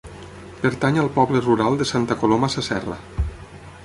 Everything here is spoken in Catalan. Pertany al poble rural de Santa Coloma Sasserra.